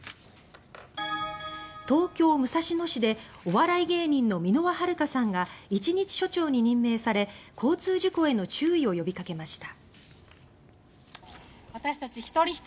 東京・武蔵野市でお笑い芸人の箕輪はるかさんが一日署長に任命され交通事故への注意を呼びかけました。